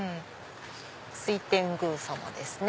水天宮様ですね。